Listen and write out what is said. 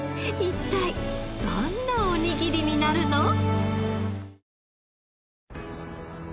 一体どんなおにぎりになるの？